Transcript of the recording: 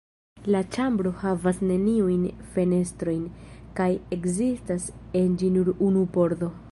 La ĉambro havas neniujn fenestrojn; kaj ekzistas en ĝi nur unu pordo.